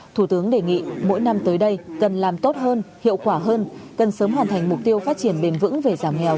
thủ tướng đề nghị mỗi năm tới đây cần làm tốt hơn hiệu quả hơn cần sớm hoàn thành mục tiêu phát triển bền vững về giảm nghèo